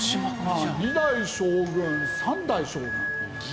二代将軍三代将軍。